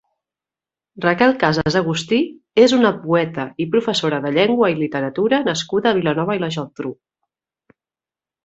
Raquel Casas Agustí és una poeta i professora de llengua i literatura nascuda a Vilanova i la Geltrú.